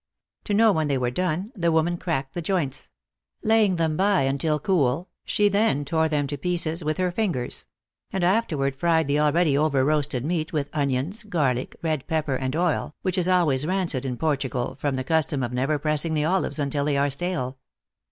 To know when they were done, the woman cracked the joints; laying them by until cool, she then tore them to pieces with her fingers; and afterward fried the already over roasted meat with onions, garlic, red pepper, and oil, which is always rancid in Portugal, from the cus tom of never pressing the olives until they are stale.